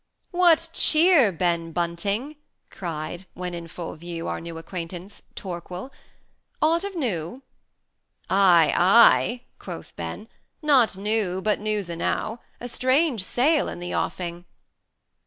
XXI. "What cheer, Ben Bunting?" cried (when in full view 500 Our new acquaintance) Torquil. "Aught of new?" "Ey, ey!" quoth Ben, "not new, but news enow; A strange sail in the offing."